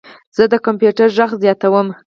زه د کمپیوټر غږ زیاتوم.